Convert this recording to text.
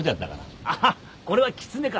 あっこれはキツネか。